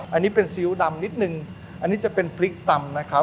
อันนี้เป็นซีอิ๊วดำนิดนึงอันนี้จะเป็นพริกตำนะครับ